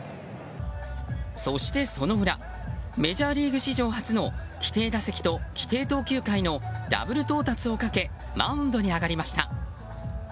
そして、その裏メジャーリーグ史上初の規定打席と規定投球回のダブル到達をかけマウンドに上がりました。